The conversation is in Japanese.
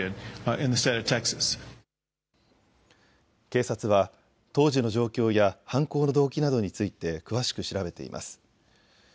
警察は当時の状況や犯行の動機などについて詳しく調べています。